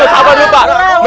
sabar dulu pak